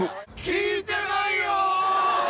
聞いてないよ！